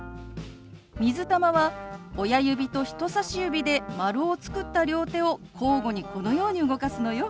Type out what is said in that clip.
「水玉」は親指と人さし指で丸を作った両手を交互にこのように動かすのよ。